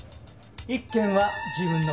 １件は自分の分。